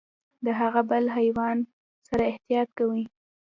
د هغه بل حیوان سره احتياط کوئ .